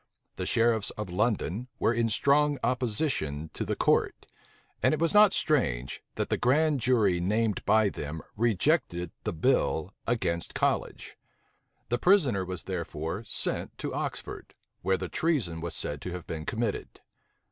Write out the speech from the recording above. The sheriffs of London were in strong opposition to the court; and it was not strange, that the grand jury named by them rejected the bill against College. The prisoner was therefore sent to Oxford, where the treason was said to have been committed.